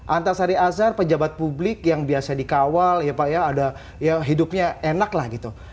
antasari azhar pejabat publik yang biasa dikawal ya pak ya ada ya hidupnya enak lah gitu